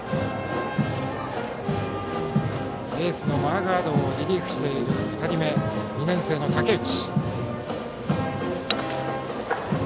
エースのマーガードをリリーフしている２人目、２年生の武内。